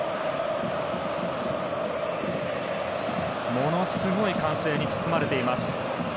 ものすごい歓声に包まれています。